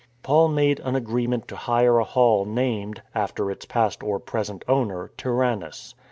Paul made an agreement to hire a hall named, after its past or present owner, Tyrannus.